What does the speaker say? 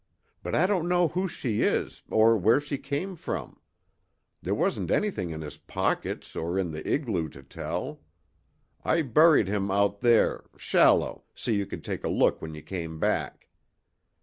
But I don't know who she is or where she came from. There wasn't anything in his pockets or in the igloo to tell. I buried him out there shallow so you could take a look when you came back."